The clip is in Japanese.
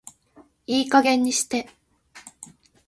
いい加減にして